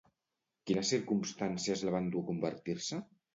Quines circumstàncies la van dur a convertir-se?